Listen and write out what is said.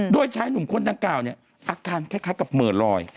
โดยใช้หนุ่มค้นตั้งกล่าวอาการคล้ายกับเหมือนรอย